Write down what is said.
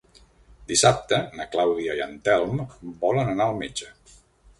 Dissabte na Clàudia i en Telm volen anar al metge.